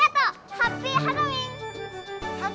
ハッピーハロウィーン！